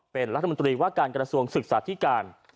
เป็นรัฐมนตรีว่าการกระทรวงศึกษาธิการ